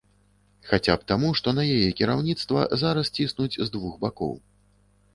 Хаця б таму, што на яе кіраўніцтва зараз ціснуць з двух бакоў.